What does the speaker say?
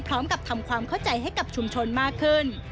พร้อมกับทำความเข้าใจให้กับชุมชนมากขึ้น